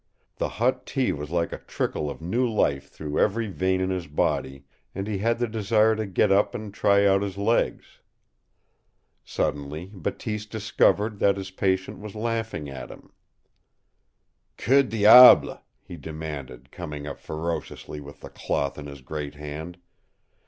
The hot tea was like a trickle of new life through every vein in his body, and he had the desire to get up and try out his legs. Suddenly Bateese discovered that his patient was laughing at him. "QUE DIABLE!" he demanded, coming up ferociously with the cloth in his great hand.